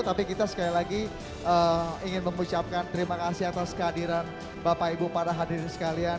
tapi kita sekali lagi ingin mengucapkan terima kasih atas kehadiran bapak ibu para hadirin sekalian